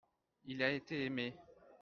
il a été aimé.